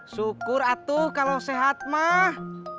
syukur atuh kalau sehat mah